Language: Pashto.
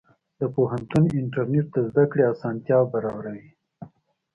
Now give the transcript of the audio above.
د پوهنتون انټرنېټ د زده کړې اسانتیا برابروي.